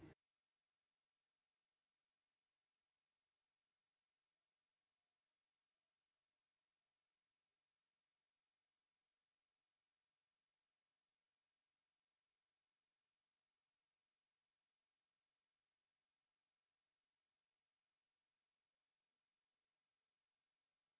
ini kan lagi proses ini